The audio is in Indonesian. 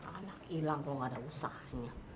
anak hilang kalau nggak ada usahanya